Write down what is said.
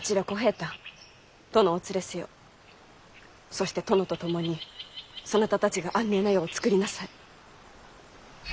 そして殿と共にそなたたちが安寧な世をつくりなさい。